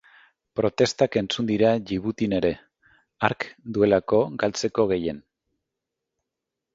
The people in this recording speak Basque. Protestak entzun dira Djibutin ere, hark duelako galtzeko gehien.